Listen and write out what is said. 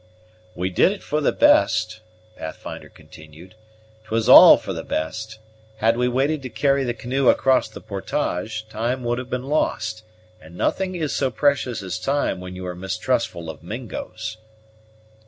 "We did it for the best," Pathfinder continued; "'twas all for the best. Had we waited to carry the canoe across the portage, time would have been lost, and nothing is so precious as time when you are mistrustful of Mingos."